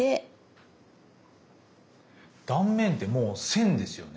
断面ってもう線ですよね。